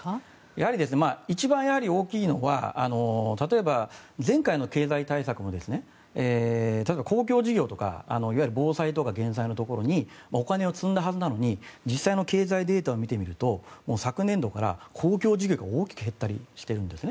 やはり一番大きいのは例えば前回の経済対策も例えば、公共事業とか防災とか減災のところにお金を積んだはずなのに実際の経済データを見てみると昨年度から公共事業が大きく減ったりしているんです。